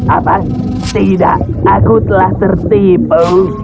apa tidak aku telah tertipu